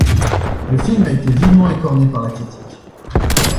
Le film a été vivement écorné par la critique.